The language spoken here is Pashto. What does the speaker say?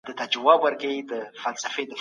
د مېوو په خوړلو سره بدن پیاوړی کیږي.